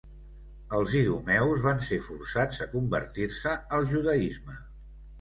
Els idumeus van ser forçats a convertir-se al judaisme.